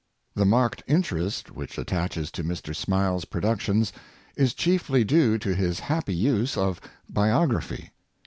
The marked interest which attaches to Mr. Smiles' productions is chiefly due to his happy use of biography.